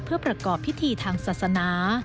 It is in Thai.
เพื่อประกอบพิธีทางศาสนา